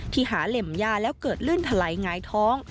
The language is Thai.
หาเหล่มยาแล้วเกิดลื่นถลายหงายท้อง